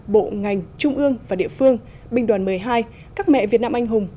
bộ ngành trung ương và địa phương binh đoàn một mươi hai các mẹ việt nam anh hùng